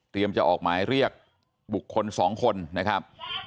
จะออกหมายเรียกบุคคล๒คนนะครับ